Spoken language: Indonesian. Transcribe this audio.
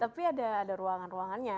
tapi ada ruangan ruangannya